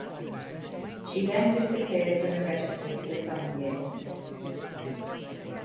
She then disappeared from the Registers for some years.